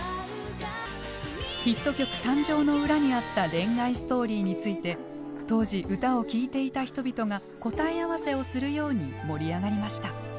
ヒット曲誕生の裏にあった恋愛ストーリーについて当時歌を聴いていた人々が答え合わせをするように盛り上がりました。